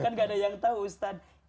kan gak ada yang tahu ustadz